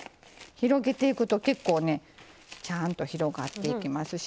広げていくと結構ねちゃんと広がっていきますしね。